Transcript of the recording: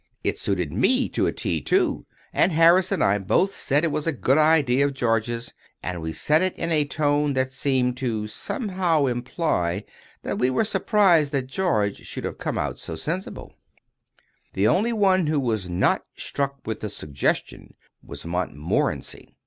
It suited me to a "T" too, and Harris and I both said it was a good idea of George's; and we said it in a tone that seemed to somehow imply that we were surprised that George should have come out so sensible. [Picture: Montmorency] The only one who was not struck with the suggestion was Montmorency.